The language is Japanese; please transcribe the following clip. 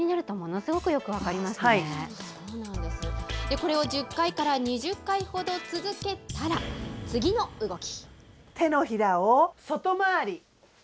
これを１０回から２０回ほど続けたら、次の動き。